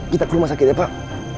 kita ke rumah sakit ya pak